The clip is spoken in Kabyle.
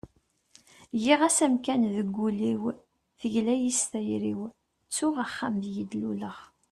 giɣ-as amkan deg ul-iw, tegla-yi s tayri-w, ttuɣ axxam deg i d-luleɣ